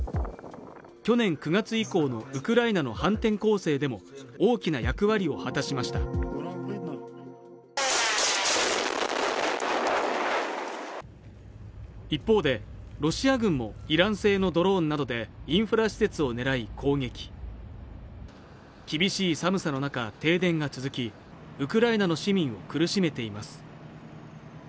去年９月以降のウクライナの反転攻勢でも大きな役割を果たしました一方でロシア軍もイラン製のドローンなどでインフラ施設を狙い攻撃厳しい寒さの中停電が続きウクライナの市民を苦しめています